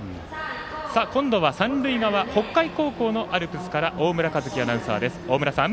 今度は三塁側、北海高校のアルプスから大村和輝アナウンサーです。